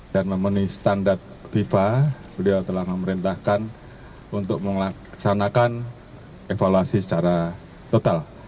dan memenuhi standar fifa beliau telah memerintahkan untuk melaksanakan evaluasi secara total